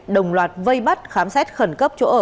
đồng loạt vây bắt khám xét khẩn cấp chỗ ở